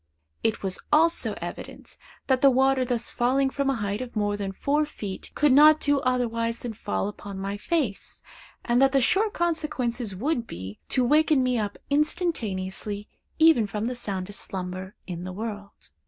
It was also evident, that the water thus falling from a height of more than four feet, could not do otherwise than fall upon my face, and that the sure consequences would be, to waken me up instantaneously, even from the soundest slumber in the world.